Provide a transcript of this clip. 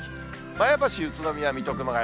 前橋、宇都宮、水戸、熊谷。